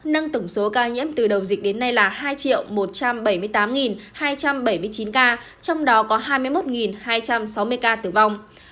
nâng tổng số ca nhiễm từ đầu dịch đến nay là hai một trăm bảy mươi tám hai trăm bảy mươi chín ca trong đó có hai mươi một hai trăm sáu mươi ca tử vong